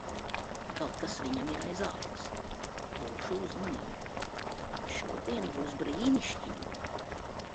Kaut kas viņam ir aiz ādas. Būšu uzmanīga. Šodiena būs brīnišķīga!